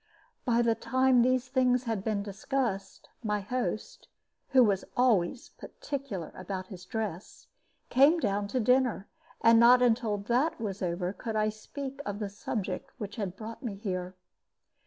By the time these things had been discussed, my host (who was always particular about his dress) came down to dinner, and not until that was over could I speak of the subject which had brought me there.